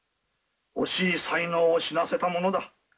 惜しい才能を死なせたものだ。